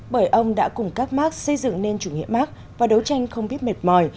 bởi ông đã cùng các mark xây dựng nên chủ nghĩa mark và đấu tranh không biết mệt mỏi